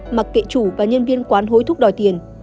mà kệ chủ và nhân viên quán hối thúc đòi tiền